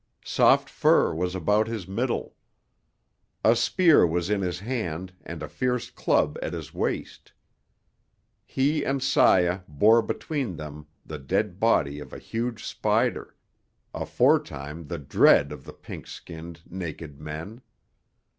Soft fur was about his middle. A spear was in his hand and a fierce club at his waist. He and Saya bore between them the dead body of a huge spider aforetime the dread of the pink skinned, naked men.